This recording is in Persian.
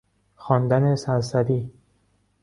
خواندن سرسری